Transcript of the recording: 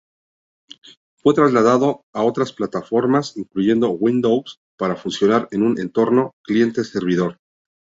Fue trasladado a otras plataformas, incluyendo Windows, para funcionar en un entorno cliente-servidor.